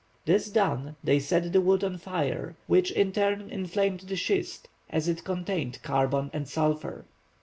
This done, they set the wood on, fire, which in turn inflamed the schist, as it contained carbon and sulphur.